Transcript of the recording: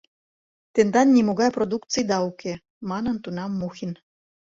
— Тендан нимогай продукцийда уке, — манын тунам Мухин.